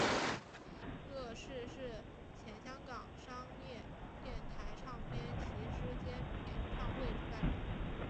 乐仕是前香港商业电台唱片骑师兼演唱会主办人。